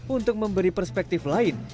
untuk memberi perspektif lain